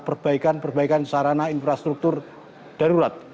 perbaikan perbaikan sarana infrastruktur darurat